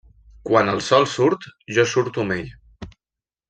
Quan el sol surt, jo surto amb ell.